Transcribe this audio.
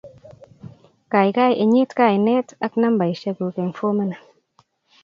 Kaikai inyit kainet ak nambeshek kuk eng fomini